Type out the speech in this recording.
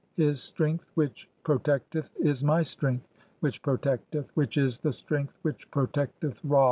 His strength which pro "tecteth (17) is my strength which protecteth, which is the "strength which protecteth Ra.